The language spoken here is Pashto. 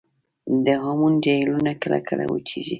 د هامون جهیلونه کله کله وچیږي